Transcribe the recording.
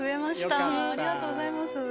ありがとうございます。